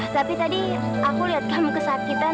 tapi tadi aku lihat kamu kesakitan